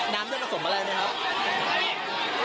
น้ำจะผสมอะไรไหมครับ